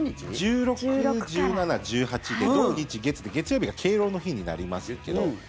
１６、１７、１８で土日月で月曜日が敬老の日になりますけど。